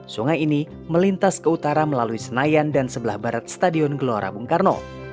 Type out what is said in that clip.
sungai ini melintas ke utara melalui senayan dan sebelah barat stadion gelora bung karno